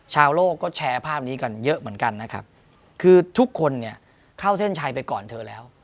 ชาวโลกก็แชร์ภาพนี้กันเยอะเหมือนกันนะครับคือทุกคนเนี่ยเข้าเส้นชัยไปก่อนเธอแล้ว